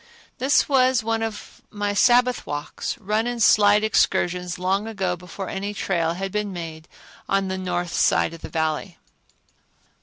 This was one of my Sabbath walk, run and slide excursions long ago before any trail had been made on the north side of the Valley.